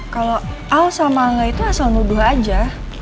kalau al sama angga itu asal muduh aja